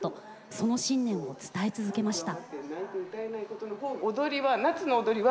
その信念を伝え続けました。